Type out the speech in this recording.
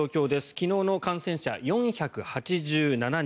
昨日の感染者、４８７人。